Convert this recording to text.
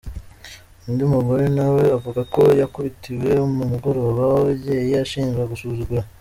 Undi mugore na we avuga ko yakubitiwe mu mugoroba w’ababyeyi ashinjwa gusuzugura.